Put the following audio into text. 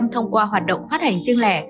hai mươi hai thông qua hoạt động phát hành riêng lẻ